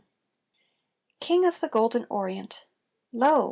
_ King of the Golden Orient: lo!